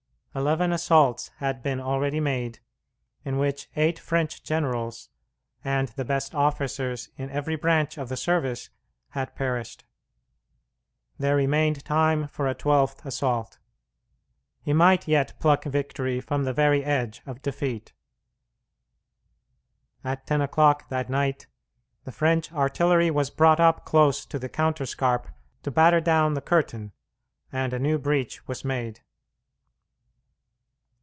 Eleven assaults had been already made, in which eight French generals and the best officers in every branch of the service had perished. There remained time for a twelfth assault. He might yet pluck victory from the very edge of defeat. At ten o'clock that night the French artillery was brought up close to the counterscarp to batter down the curtain, and a new breach was made.